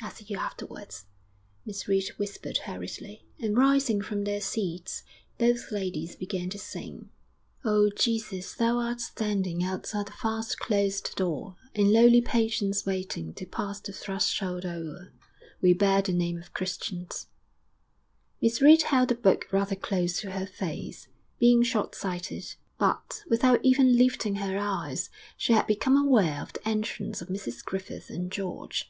'I'll see you afterwards,' Miss Reed whispered hurriedly; and rising from their seats, both ladies began to sing, O Jesu, thou art standing Outside the fast closed door, In lowly patience waiting To pass the threshold o'er; We bear the name of Christians.... Miss Reed held the book rather close to her face, being shortsighted; but, without even lifting her eyes, she had become aware of the entrance of Mrs Griffith and George.